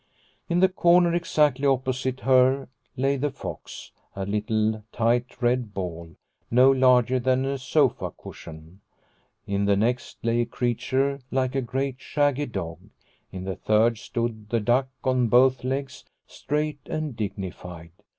In the corner exactly opposite her lay the 122 Liliecrona's Home fox, a little tight red ball, no larger than a sofa cushion. In the next lay a creature like a great shaggy dog ; in the third stood the duck on both legs, straight and dignified.